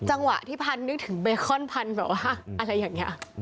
จังหวะที่พันธนึกถึงเบคอนพันธุ์แบบว่าอะไรอย่างนี้